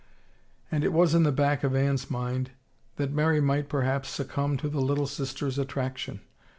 And it was in the back of Anne's mind that Mary might perhaps succumb to the little sister's attraction.